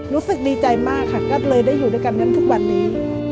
รู้สึกดีใจมากค่ะก็เลยได้อยู่ด้วยกันจนทุกวันนี้